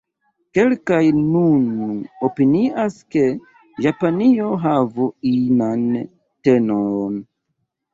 Kelkaj nun opinias, ke Japanio havu inan tenoon.